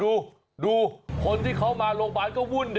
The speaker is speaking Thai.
ดูดูคนที่เขามาโรงพยาบาลก็วุ่นดิ